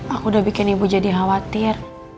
aku udah bikin ibu jadi khawatir